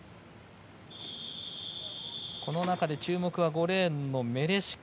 この中で注目は５レーンのメレシコ。